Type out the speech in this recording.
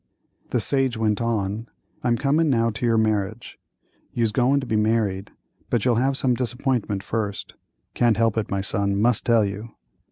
The sage went on. "I'm comin' now to your marriage. You'se goin' to be married, but you'll have some disappointment first—can't help it, my son, must tell you.